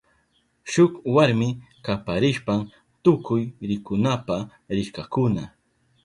Shuk warmi kaparishpan tukuy rikunapa rishkakuna.